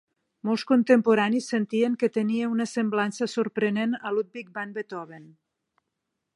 Molts contemporanis sentien que tenia una semblança sorprenent a Ludwig van Beethoven.